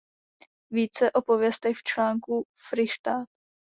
Více o pověstech v článku Fryštát.